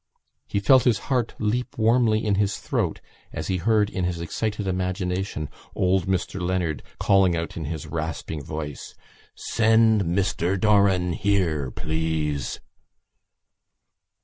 He felt his heart leap warmly in his throat as he heard in his excited imagination old Mr Leonard calling out in his rasping voice: "Send Mr Doran here, please."